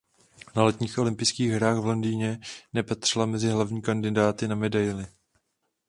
Na Letních olympijských hrách v Londýně nepatřila mezi hlavní kandidátky na medaili.